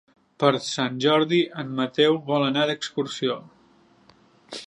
Per Sant Jordi en Mateu vol anar d'excursió.